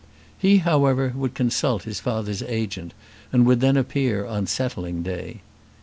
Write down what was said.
He however would consult his father's agent and would then appear on settling day.